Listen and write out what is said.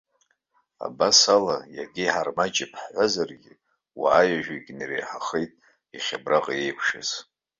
Абасала, иага иҳармаҷып рҳәазаргьы, уааҩажәаҩык инареиҳахеит иахьа абраҟа еиқәшәаз.